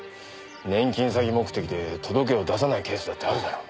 年金詐欺目的で届けを出さないケースだってあるだろ。